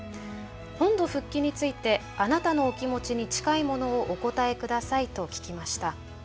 「本土復帰についてあなたのお気持ちに近いものをお答え下さい」と聞きました。